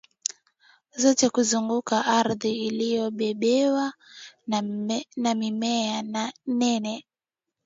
zote kuzunguka ardhi iliyobebewa na mimea nene